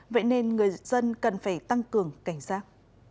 vậy nên người dân cần phải tăng cường cảnh giác